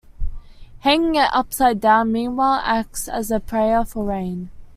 Hanging it upside-down, meanwhile, acts as a prayer for rain.